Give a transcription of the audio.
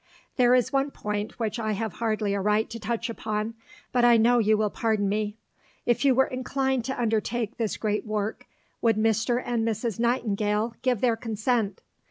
There is one point which I have hardly a right to touch upon, but I know you will pardon me. If you were inclined to undertake this great work, would Mr. and Mrs. Nightingale give their consent?